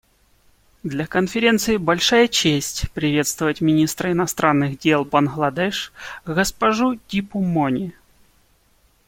Для Конференции большая честь приветствовать министра иностранных дел Бангладеш госпожу Дипу Мони.